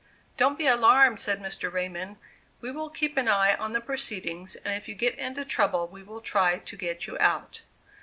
"Don't be alarmed," said Mr. Raymond, "we will keep an eye on the proceedings, and if you get into trouble we will try to get you out."